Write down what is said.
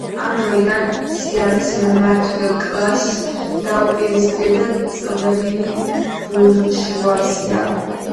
ამ დროიდან სიამის მმართველ კლასს დაუპირისპირდა წვრილი ბურჟუაზია.